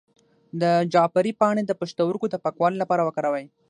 د جعفری پاڼې د پښتورګو د پاکوالي لپاره وکاروئ